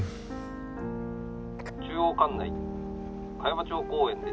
中央管内茅場町公園で